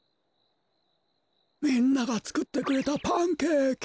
みんながつくってくれたパンケーキ。